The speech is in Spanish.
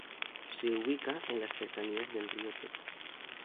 Se ubica en las cercanías del río Tec.